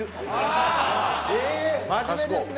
ああ真面目ですね。